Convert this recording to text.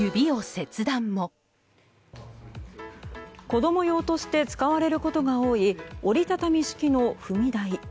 子供用として使われることが多い折り畳み式の踏み台。